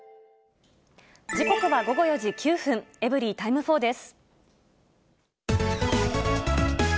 時刻は午後４時９分、エブリィタイム４です。